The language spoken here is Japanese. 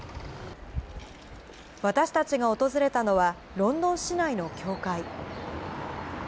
私たちが訪れたのは、ロンドン市内の教会。